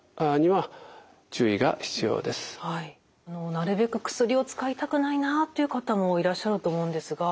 なるべく薬を使いたくないなっていう方もいらっしゃると思うんですが。